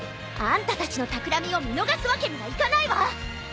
あんたたちのたくらみを見逃すわけにはいかないわ！